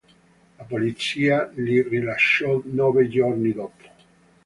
La polizia li rilasciò nove giorni dopo.